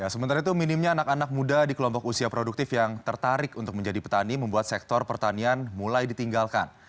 sementara itu minimnya anak anak muda di kelompok usia produktif yang tertarik untuk menjadi petani membuat sektor pertanian mulai ditinggalkan